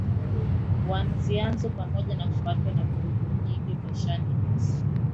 wa Nazianzo Pamoja na kupatwa na vurugu nyingi maishani hasa